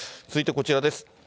続いてこちらです。